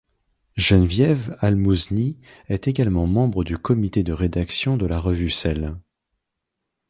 Geneviève Almouzni est également membre du Comité de rédaction de la revue Cell.